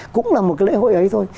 cũng là một cái lễ hội ấy thôi